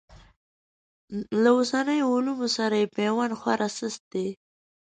له اوسنیو علومو سره یې پیوند خورا سست دی.